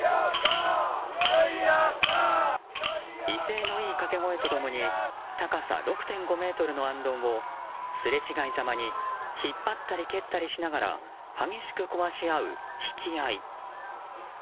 威勢のいい掛け声と共に高さ６．５ｍのあんどんをすれ違いざまに引っ張ったり蹴ったりしながら激しく壊し合う引き合い。